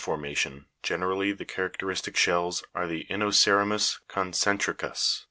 formation generally, the characteristic shells are the inoce'ramus conce'ntricus (fig.